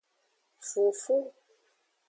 Fufu.